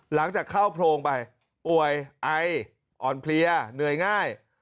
หลังจากเข้าโพรงไปป่วยไออ่อนเพลียเหนื่อยง่าย